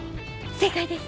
正解です！